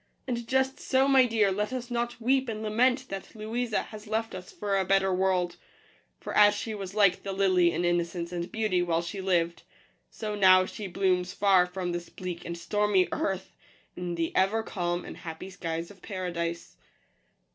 And just so, my dear, let us not weep and lament that Louisa has left us for a better world ; for as she was like the lily in innocence and beauty while she lived, so now she blooms far from this bleak and stormy earth in the ever calm and happy skies of paradise."